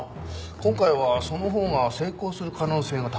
今回はそのほうが成功する可能性が高いな。